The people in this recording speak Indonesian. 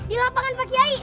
di lapangan pak kyai